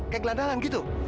kayak gelandalan gitu